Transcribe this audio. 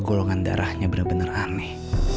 golongan darahnya bener bener aneh